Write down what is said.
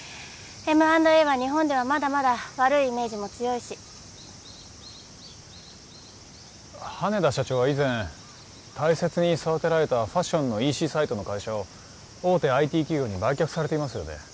Ｍ＆Ａは日本ではまだまだ悪いイメージも強いし羽田社長は以前大切に育てられたファッションのＥＣサイトの会社を大手ＩＴ企業に売却されていますよね